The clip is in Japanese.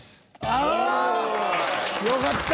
ああよかった。